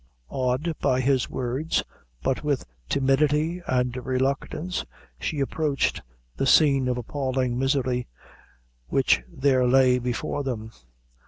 Awed by his words, but with timidity and reluctance, she approached the scene of appalling misery which there lay before them.